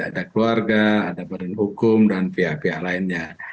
ada keluarga ada badan hukum dan pihak pihak lainnya